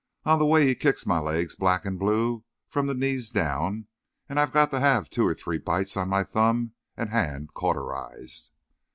On the way he kicks my legs black and blue from the knees down; and I've got to have two or three bites on my thumb and hand cauterized.